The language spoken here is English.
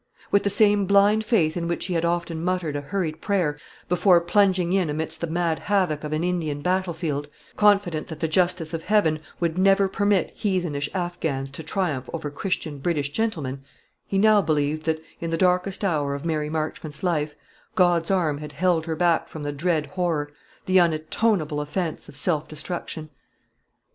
With the same blind faith in which he had often muttered a hurried prayer before plunging in amidst the mad havoc of an Indian battle field, confident that the justice of Heaven would never permit heathenish Affghans to triumph over Christian British gentlemen, he now believed that, in the darkest hour of Mary Marchmont's life, God's arm had held her back from the dread horror the unatonable offence of self destruction.